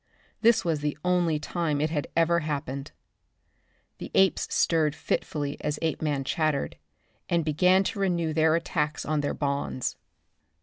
This was the only time it had ever happened. The apes stirred fitfully as Apeman chattered, and began to renew their attacks on their bonds.